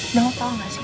dan lu tau nggak sih